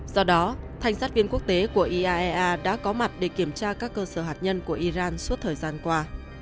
do đó thành sát viên quốc tế của iaea đã có mặt để kiểm tra các cơ sở hạt nhân của iran suốt thời gian qua